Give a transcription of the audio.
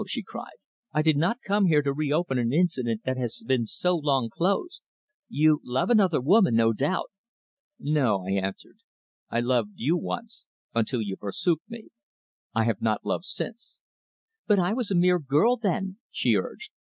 she cried. "I did not come here to reopen an incident that has been so long closed. You love another woman, no doubt." "No," I answered. "I loved you once, until you forsook me. I have not loved since." "But I was a mere girl then," she urged.